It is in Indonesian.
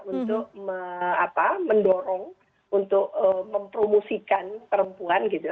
untuk mendorong untuk mempromosikan perempuan gitu